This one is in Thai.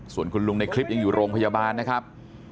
ส่วนคุณลุงในคลิปยังอยู่โรงพยาบาลนะครับ